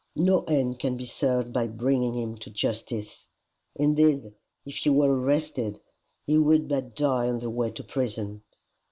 No end can be served by bringing him to justice. Indeed if he were arrested, he would but die on the way to prison.